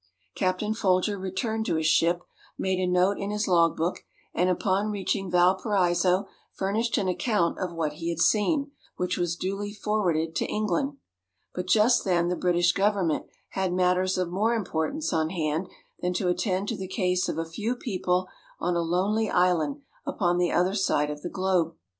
Captain Folger returned to his ship, made a note in his log book, and upon reaching Valparaiso furnished an account of what he had seen, which was duly forwarded to England. But just then the British Government had matters of more importance on hand than to attend to the case of a few people on a lonely island upon the other side of the globe.